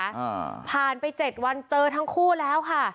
อ่าผ่านไปเจ็ดวันเจอทั้งคู่แล้วค่ะ